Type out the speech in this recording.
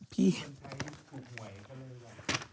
พี่คนใช้ถูกหวยก็เลยหรือยัง